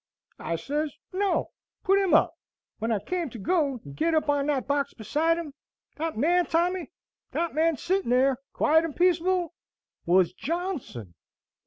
I sez, 'No; put him up.' When I came to go and get up on that box beside him, that man, Tommy, that man sittin' there, quiet and peaceable, was Johnson!